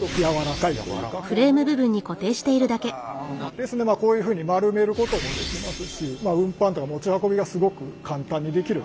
ですんでまあこういうふうに丸めることもできますし運搬とか持ち運びがすごく簡単にできる。